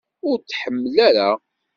Ur t-tḥemmel ara.